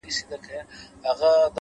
پرېږده چي وپنځوي ژوند ته د موسی معجزې-